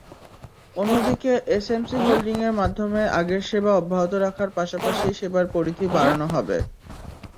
অন্যদিকে এসএমসি হোল্ডিংয়ের মাধ্যমে আগের সেবা অব্যাহত রাখার পাশাপাশি সেবার পরিধি বাড়ানো হবে।